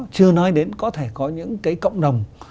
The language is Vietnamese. chưa nói đến có thể có những cái cộng đồng